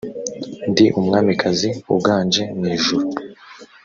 ndi umwamikazi uganje mwijuru